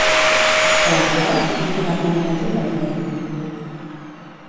Aleshores, a qui va demanar ajuda el rei?